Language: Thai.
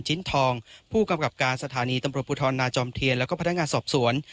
ชิ้นทองผู้กำกับการสถานีตำรวจภูทรนาจอมเทียนแล้วก็พนักงานสอบสวน